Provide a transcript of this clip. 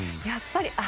やっぱり